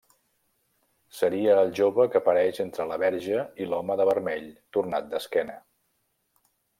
Seria el jove que apareix entre la Verge i l'home de vermell tornat d'esquena.